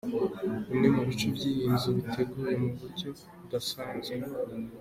Bimwe mu bice by’iyi nzu biteguye mu buryo budasanzwe!.